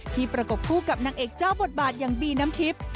ประกบคู่กับนางเอกเจ้าบทบาทอย่างบีน้ำทิพย์